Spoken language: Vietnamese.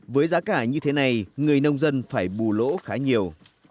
với giá cả như thế này người nông dân phải bù lỗ khá nhiều